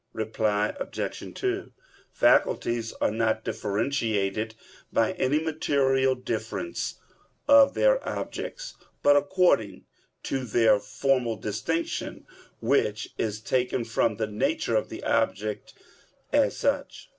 Reply Obj. 2: Faculties are not differentiated by any material difference of their objects, but according to their formal distinction, which is taken from the nature of the object as such.